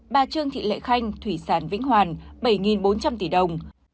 bà trương thị lệ khanh thủy sản vĩnh hoàn bảy bốn trăm linh tỷ đồng